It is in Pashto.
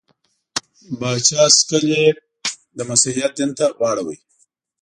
پاچا سکل یې د مسیحیت دین ته واړاوه.